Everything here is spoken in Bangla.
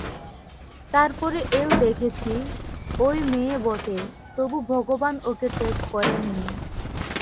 তার পরে এও দেখেছি, ও মেয়ে বটে তবু ভগবান ওকে ত্যাগ করেন নি।